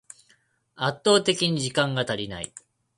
圧倒的に時間が足りない